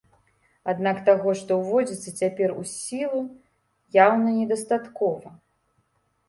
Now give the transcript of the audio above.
Аднак таго, што ўводзіцца цяпер у сілу, яўна недастаткова.